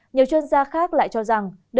nhiều chuyên gia khác lại cho rằng